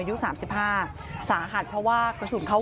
ตอนนี้ก็ไม่มีอัศวินทรีย์ที่สุดขึ้นแต่ก็ไม่มีอัศวินทรีย์ที่สุดขึ้น